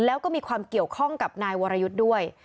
แล้วก็มีความเกี่ยวข้องกับนายวรยุทธ์ด้วย